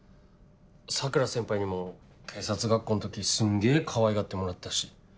桜先輩にも警察学校の時すんげぇかわいがってもらったし。